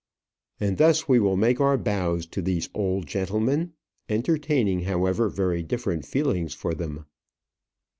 And thus we will make our bows to these old gentlemen entertaining, however, very different feelings for them.